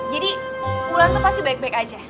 jadi pulang tuh pasti baik baik aja